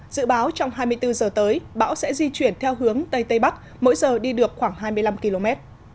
dự báo trong hai mươi bốn giờ tới bão sẽ di chuyển theo hướng tây tây bắc mỗi giờ đi được khoảng hai mươi năm km